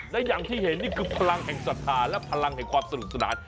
และอย่างที่เห็นนี่คือพลังแห่งศรัทธาและพลังแห่งความสนุกสนาน